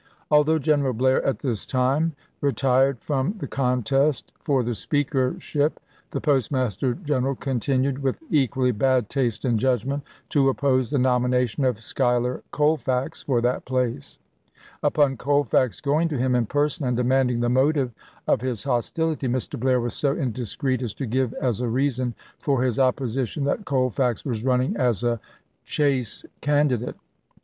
Although General Blair at this time retired from the contest for the speakership, the Postmaster General continued, with equally bad taste and judgment, to oppose the nomination of Schuyler Colfax for that place. Upon Colfax going to him in person and demanding the motive of his hostility, Mr. Blair was so indiscreet as to give as a reason for his mSyr opposition that Colfax was running as a Chase NSS&1' candidate.